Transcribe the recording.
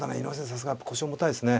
さすがやっぱ腰重たいですね。